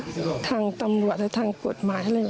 ถ้าทางตำรวจแต่ทางกฎหมายอะไรเวิ่น